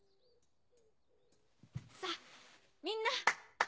さぁみんな！